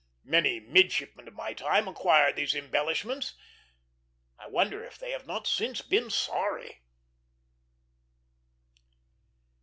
Many midshipmen of my time acquired these embellishments. I wonder if they have not since been sorry.